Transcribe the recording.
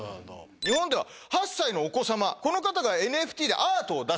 日本では８歳のお子様この方がＮＦＴでアートを出した。